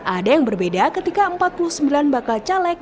ada yang berbeda ketika empat puluh sembilan bakal caleg